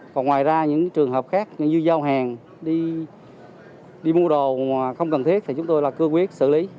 còn ngoài ra những trường hợp khác như giao hàng đi mua đồ mà không cần thiết thì chúng tôi là cương quyết xử lý